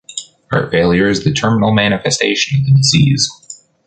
Heart failure is the terminal manifestation of the disease.